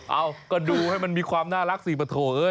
เอ้าก็ดูให้มันมีความน่ารักสิปะโถเอ้